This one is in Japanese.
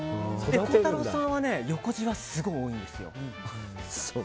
孝太郎さんは横じわすごい多いんです。